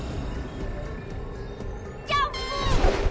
ジャンプ！